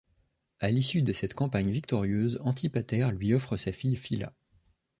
À l'issue de cette campagne victorieuse, Antipater lui offre sa fille Phila.